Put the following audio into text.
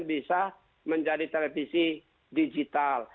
bisa menjadi televisi digital